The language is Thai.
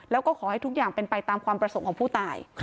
แล้วก็ขอให้ทุกอย่างเป็นไปตามความประสงค์ของผู้ตาย